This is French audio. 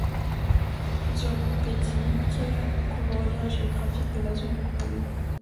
Plusieurs groupes ethniques couvrent l'aire géographique de la zone du projet.